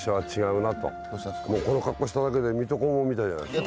この格好しただけで水戸黄門みたいじゃないですか。